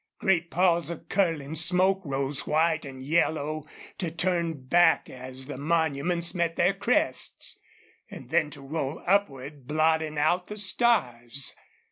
Great palls of curling smoke rose white and yellow, to turn back as the monuments met their crests, and then to roll upward, blotting out the stars.